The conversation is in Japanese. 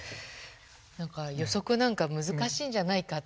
何か予測なんか難しいんじゃないかって。